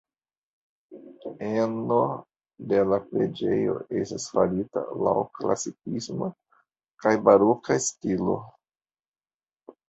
Eno de la preĝejo estas farita laŭ klasikisma kaj baroka stilo.